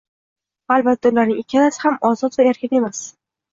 Albatta, ularning ikkalasi ham ozod va erkin emas